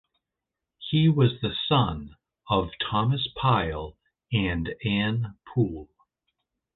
He was the son of Thomas Pile and Anne Poole.